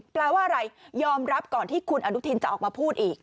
แปลว่าอะไรยอมรับก่อนที่คุณอนุทินจะออกมาพูดอีก